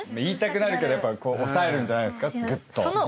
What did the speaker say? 言いたくなるけどやっぱ抑えるんじゃないですかぐっと。